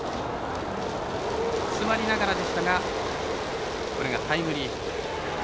つまりながらでしたがこれがタイムリーヒット。